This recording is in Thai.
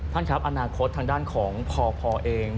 ท่านครับอนาคตทางด้านของพพเอง